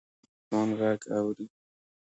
باز د اسمان غږ اوري